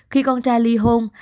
khi con trai li hôn